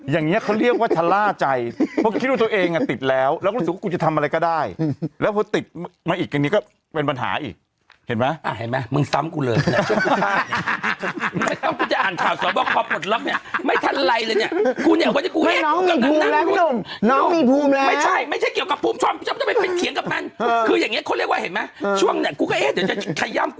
อย่างนี้ไอ้จิ๊กอยู่ใจชัยชัยอยู่ใจชัยชัยอยู่ใจชัยชัย